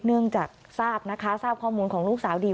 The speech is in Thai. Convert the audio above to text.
เนื่องจากทราบข้อมูลของลูกสาวดี